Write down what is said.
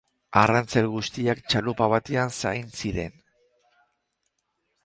Arrantzale guztiak txalupa batean zain ziren.